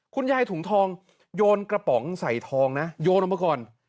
คุณยายถุงทองโยนกระป๋องใส่ทองนะโยนออกมาก่อน